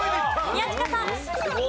宮近さん。